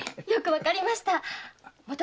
よくわかりました。